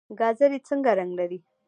ګازرې څنګه رنګ اخلي؟